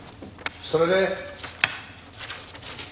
それで？